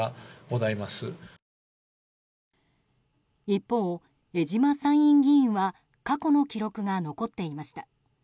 一方、江島参院議員は過去の記録が残っていました。